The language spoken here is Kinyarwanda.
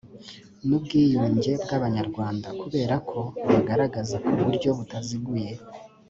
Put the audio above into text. n ubwiyunge by abanyarwanda kubera ko bagaragaza ku buryo butaziguye